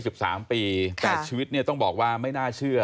สิบสามปีแต่ชีวิตเนี่ยต้องบอกว่าไม่น่าเชื่อ